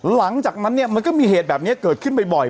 หลังจากนั้นเนี่ยมันก็มีเหตุแบบนี้เกิดขึ้นบ่อย